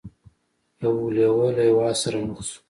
یو لیوه له یو آس سره مخ شو.